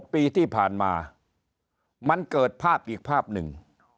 ปีที่ผ่านมามันเกิดภาพอีกภาพหนึ่ง